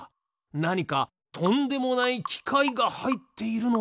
なにかとんでもないきかいがはいっているのでは？